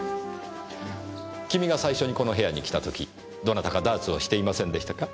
君が最初にこの部屋に来た時どなたかダーツをしていませんでしたか？